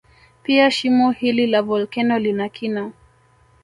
Pia shimo hili la volkeno lina kina